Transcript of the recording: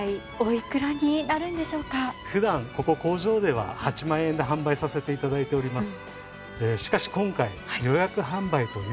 普段ここ工場では８万円で販売させて頂いております。